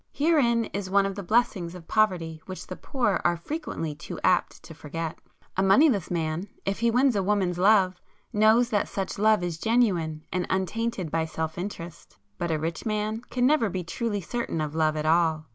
Herein is one of the blessings of poverty which the poor are frequently too apt to forget. A moneyless man if he wins a woman's love knows that such love is genuine and untainted by self interest; but a rich man can never be truly certain of love at all.